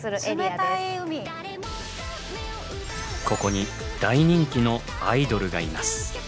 ここに大人気のアイドルがいます。